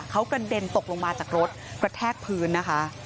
เขากระเด็นตกลงมาจากรถกระแทกพื้นนะคะ